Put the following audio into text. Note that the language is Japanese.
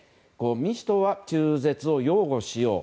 民主党は中絶を擁護しよう。